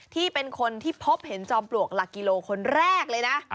ที่เป็นคนที่พบเห็นจอมปลวกหลักกิโลคนแรกเลยนะ